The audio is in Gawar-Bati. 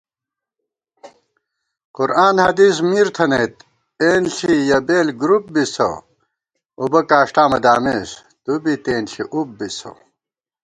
قرآن حدیث مِر تھنَئیت اېنݪی یَہ بېل گرُوپ بِسہ * اُبہ کاݭٹا مہ دامېس تُوبی تېنݪی اُب بِسہ